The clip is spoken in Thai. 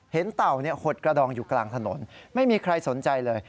เต่าหดกระดองอยู่กลางถนนไม่มีใครสนใจเลย